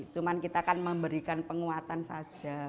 cuma kita kan memberikan penguatan saja